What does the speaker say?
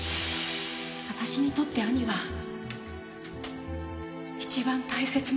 私にとって兄は一番大切な人でした。